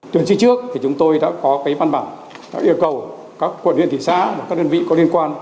tuyển sinh trước thì chúng tôi đã có cái văn bản yêu cầu các quận huyện thị xã và các đơn vị có liên quan